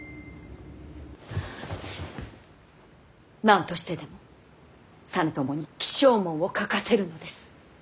何としてでも実朝に起請文を書かせるのです。